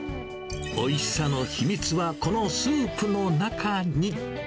おいしさの秘密は、このスープの中に。